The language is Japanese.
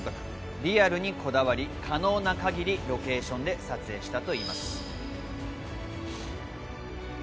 リアルにこだわり可能な限りロケーションで撮影したといいます。